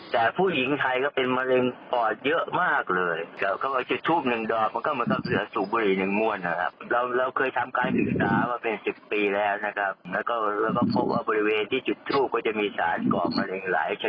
แต่ผู้หญิงไทยก็เป็นมะเร็งปอดเยอะมากเลย